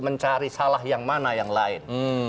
mencari salah yang mana yang lain